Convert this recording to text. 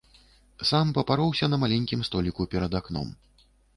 Сам папароўся на маленькім століку перад акном.